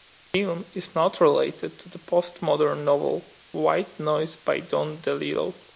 The film is not related to the postmodern novel "White Noise" by Don DeLillo.